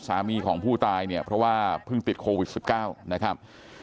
สามีของผู้ตายเนี่ยเพราะว่าเพิ่งติดโควิด๑๙นะครับ